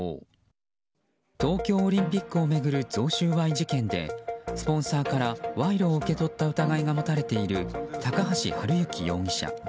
東京オリンピックを巡る贈収賄事件でスポンサーから賄賂を受け取った疑いが持たれている高橋治之容疑者。